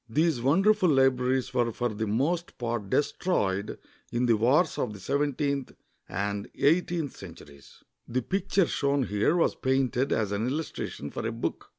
These wonderful Ubraries were for the most part destroyed in the wars of the seventeenth and eighteenth centuries. The picture shown here was painted as an illustration for a book.